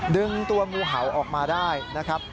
ดึงตัวงูเห่าออกมาได้นะครับ